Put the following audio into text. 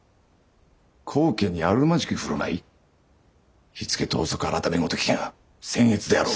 高家にあるまじき振る舞い火付盗賊改ごときが僭越であろう。